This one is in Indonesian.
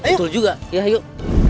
betul juga ya yuk